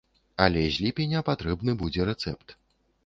Але з ліпеня патрэбны будзе рэцэпт.